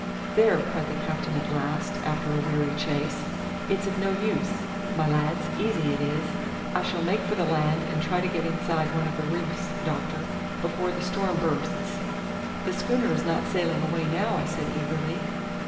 "There," cried the captain at last, after a weary chase, "it's of no use, my lads, easy it is. I shall make for the land and try to get inside one of the reefs, doctor, before the storm bursts." "The schooner is not sailing away now," I said eagerly.